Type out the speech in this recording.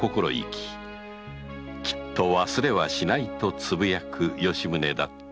きっと忘れはしないと呟く吉宗だった